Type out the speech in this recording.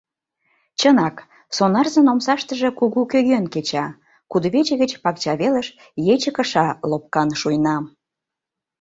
Чынак, сонарзын омсаштыже кугу кӧгӧн кеча, кудывече гыч пакча велыш ече кыша лопкан шуйна.